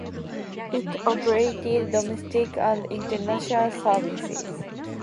It operated domestic and international services.